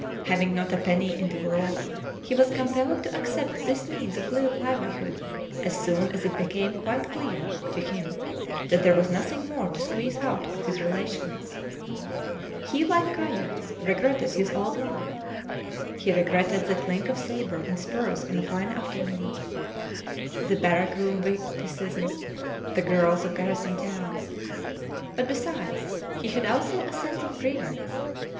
Having not a penny in the world he was compelled to accept this means of livelihood as soon as it became quite clear to him that there was nothing more to squeeze out of his relations. He, like Kayerts, regretted his old life. He regretted the clink of sabre and spurs on a fine afternoon, the barrack room witticisms, the girls of garrison towns; but, besides, he had also a sense of grievance.